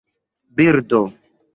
birdo